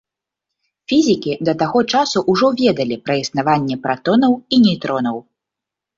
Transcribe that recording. Фізікі да таго часу ўжо ведалі пра існаванне пратонаў і нейтронаў.